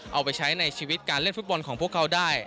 เอาไปใช้ในชีวิตการเล่นฟุตบอลของพวกเขาได้